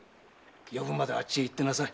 呼ぶまであっちへ行ってなさい。